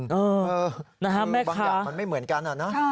คือบางอย่างมันไม่เหมือนกันนะ